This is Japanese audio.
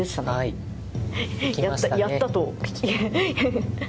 やったと。